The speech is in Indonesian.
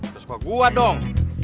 terus gua gua dong